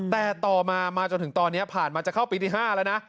แต่ต่อมามาจนถึงตอนนี้ผ่านมาจะเข้าปีที่๕แล้วนะ